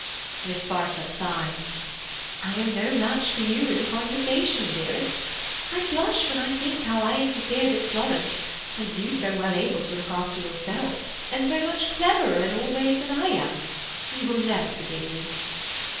Miss Bartlett sighed "I am no match for you in conversation, dearest. I blush when I think how I interfered at Florence, and you so well able to look after yourself, and so much cleverer in all ways than I am. You will never forgive me."